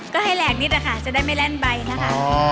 ก็ให้แหลกนิดนะคะจะได้ไม่แล่นใบนะคะ